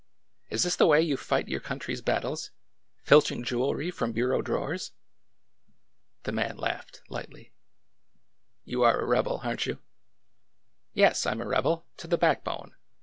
'' Is this the way you fight your coun try's battles, — filching jewelry from bureau drawers?" The man laughed lightly. You are a rebel, are n't you ?" '^YeSj I 'm a rebel— to the backbone!